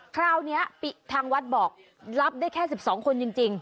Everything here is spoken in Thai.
คราวนี้ทางวัดบอกรับได้แค่๑๒คนจริง